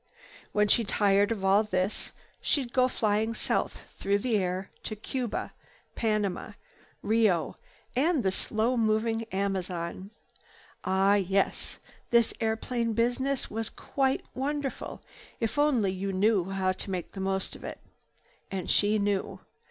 When she tired of all this, she'd go flying south through the air, south to Cuba, Panama, Rio and the slow moving Amazon. Ah yes, this airplane business was quite wonderful, if only you knew how to make the most of it. And she knew.